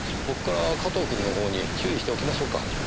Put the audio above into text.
僕から加藤君の方に注意しておきましょうか？